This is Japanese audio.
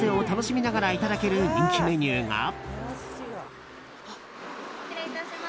潮風を楽しみながらいただける人気メニューが。